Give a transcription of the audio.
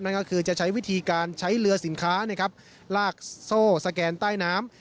ก็คือจะใช้วิธีการใช้เรือสินค้าลากโซ่สแกนใต้น้ำ